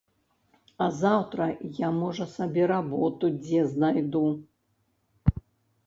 А заўтра я, можа, сабе работу дзе знайду.